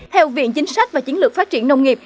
theo viện chính sách và chiến lược phát triển nông nghiệp